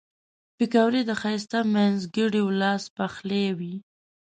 پکورې د ښایسته مینځګړیو لاس پخلي وي